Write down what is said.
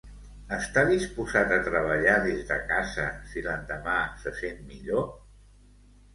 Està disposat a treballar des de casa si l'endemà se sent millor?